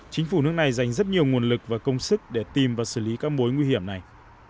chính phủ nước này dành rất nhiều nguồn lực và công sức để tìm và xử lý các mối nguy hiểm này